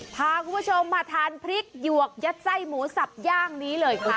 พาคุณผู้ชมมาทานพริกหยวกยัดไส้หมูสับย่างนี้เลยค่ะ